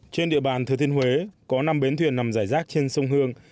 trên địa bàn thừa thiên huế có năm bến thuyền nằm rải rác trên sông hương